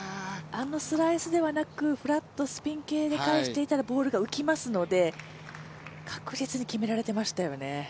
あのスライスではなくフラット、スピン系で返していたらボールが浮きますので、確実に決められていましたよね。